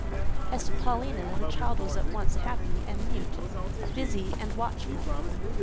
As to Paulina, the child was at once happy and mute, busy and watchful.